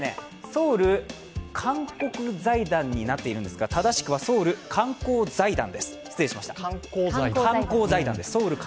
ソウル韓国財団になっているんですが正しくはソウル観光財団です、失礼いたしました。